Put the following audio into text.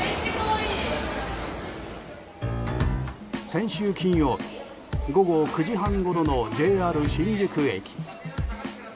先週金曜日午後９時半ごろのＪＲ新宿駅。